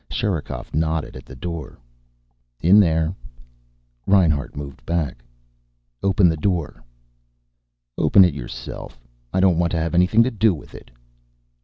Sherikov nodded at the door. "In there." Reinhart moved back. "Open the door." "Open it yourself. I don't want to have anything to do with it."